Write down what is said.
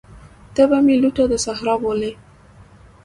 ته به مي لوټه د صحرا بولې